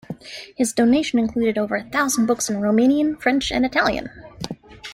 His donation included over a thousand books in Romanian, French and Italian.